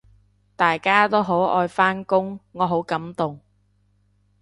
大家都好愛返工，我好感動